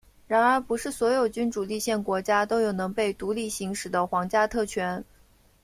然而不是所有君主立宪国家都有能被独立行使的皇家特权。